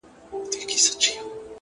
• څنگه دي وستايمه ـ